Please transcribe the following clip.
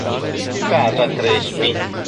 Casa Crespi